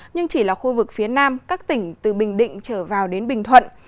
nhưng chỉ là khu vực phía nam các tỉnh từ bình định trở vào đến bình thuận